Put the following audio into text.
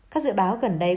các dự báo gần đây